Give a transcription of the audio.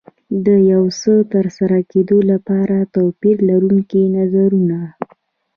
د یو څه ترسره کېدو لپاره توپير لرونکي نظرونه.